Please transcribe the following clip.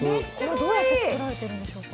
どうやって作られてるんでしょうか。